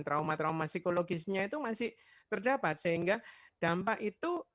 trauma trauma psikologisnya itu masih terdapat sehingga dampak itu